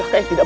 oh k wiltih